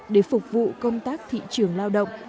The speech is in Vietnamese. để phục vụ công tác thị trường lao động